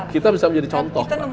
kita bisa menjadi contoh